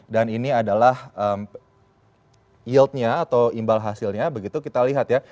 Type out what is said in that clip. dan ini adalah yieldnya atau imbal hasilnya begitu kita lihat ya